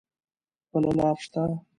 بله لار شته؟